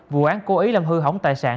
vụ án cố ý làm hư hỏng tài sản